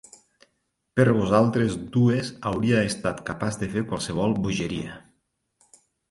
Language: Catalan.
Per vosaltres dues hauria estat capaç de fer qualsevol bogeria.